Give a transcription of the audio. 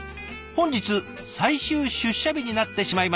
「本日最終出社日になってしまいました。